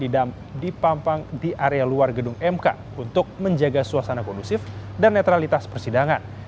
dipampang di area luar gedung mk untuk menjaga suasana kondusif dan netralitas persidangan